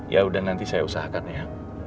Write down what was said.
yaudah nanti saya usahakan ya